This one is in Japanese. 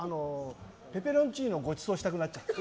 ペペロンチーノご馳走したくなっちゃった。